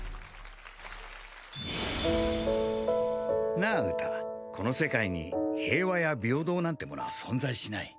なあウタ、この世界に平和や平等なんてものは存在しない。